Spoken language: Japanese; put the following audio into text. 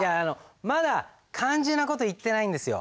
まだ肝心な事言ってないんですよ。